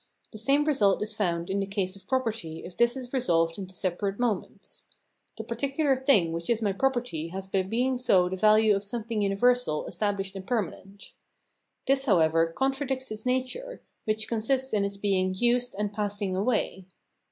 The same result is found in the case of property if this is resolved into separate moments. The particular thing which is my property has by being so the value of some thing universal, estabhshed, and permanent. This, how ever, contradicts its nature, which consists in its being used and passing away.